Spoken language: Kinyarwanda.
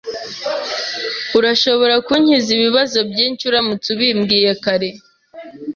Urashobora kunkiza ibibazo byinshi uramutse ubimbwiye kare.